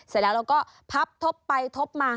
เสร็จแล้วเราก็พับทบไปทบมา